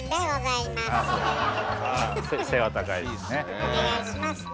お願いしますね。